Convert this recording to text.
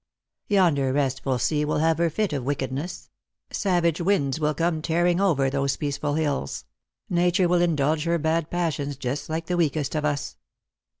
Tonder restful sea will have her fit of wickedness — savage winds will come tearing over those peace ful hills; Nature will indulge her bad passions just like the weakest of us."